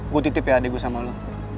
gue titip ya adik gue sama lo